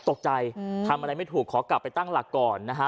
ตกใจทำอะไรไม่ถูกขอกลับไปตั้งหลักก่อนนะฮะ